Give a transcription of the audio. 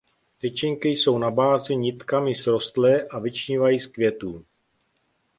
Tyčinky jsou na bázi nitkami srostlé a vyčnívají z květů.